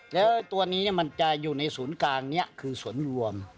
แล้วตัวนี้มันจะอยู่ในศูนย์กลางนี้คือส่วนรวม